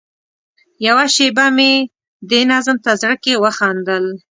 یوه شېبه مې دې نظم ته زړه کې وخندل.